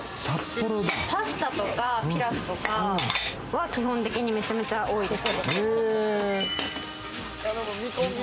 パスタとかピラフとか基本的にめちゃくちゃ多いです。